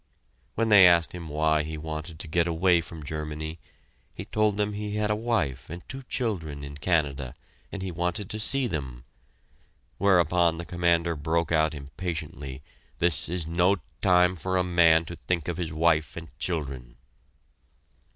When they asked him why he wanted to get away from Germany, he told them he had a wife and two children in Canada, and he wanted to see them: whereupon the Commander broke out impatiently, "This is no time for a man to think of his wife and children!"